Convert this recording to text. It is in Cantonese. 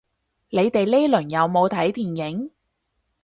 你哋呢輪有冇睇電影